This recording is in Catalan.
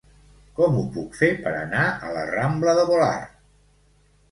Com ho puc fer per anar a la rambla de Volart?